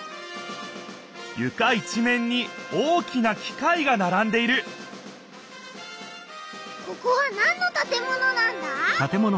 ゆか一めんに大きなきかいがならんでいるここはなんの建物なんだ？